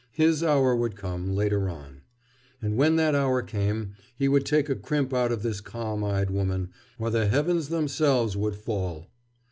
His hour would come, later on. And when that hour came, he would take a crimp out of this calm eyed woman, or the heavens themselves would fall!